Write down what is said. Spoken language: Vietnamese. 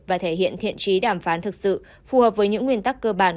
và thể hiện thiện trí đàm phán thực sự phù hợp với những nguyên tắc cơ bản